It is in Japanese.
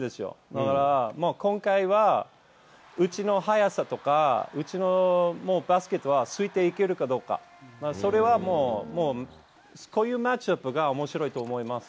だからもう今回は、うちの速さとか、うちのバスケットはついていけるかどうか、それはもう、こういうマッチアップがおもしろいと思います。